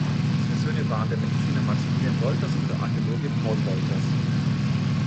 Seine Söhne waren der Mediziner Maximilian Wolters und der Archäologe Paul Wolters.